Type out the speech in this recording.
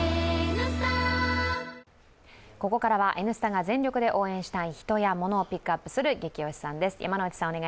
ここからは「Ｎスタ」が全力で応援したい人やモノをピックアップするゲキ推しさんです。